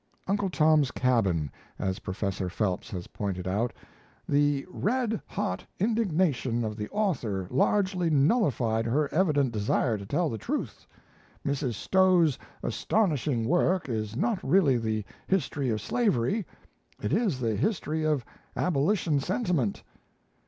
In Uncle Tom's Cabin, as Professor Phelps has pointed out, "the red hot indignation of the author largely nullified her evident desire to tell the truth. ... Mrs. Stowe's astonishing work is not really the history of slavery; it is the history of abolition sentiment.